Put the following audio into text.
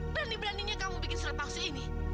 berani beraninya kamu membuat surat palsu ini